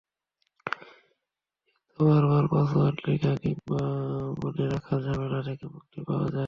এতে বারবার পাসওয়ার্ড লেখা কিংবা মনে রাখার ঝামেলা থেকে মুক্তি পাওয়া যায়।